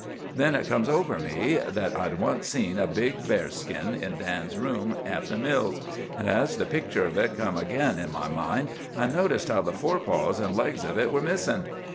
"Then it comes over me that I'd once seen a big bear skin in Dan's room at the Mills, an' as the picture of it come up agin in my mind, I noticed how the fore paws and legs of it were missin'.